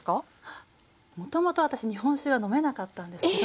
もともと私日本酒が飲めなかったんですけど。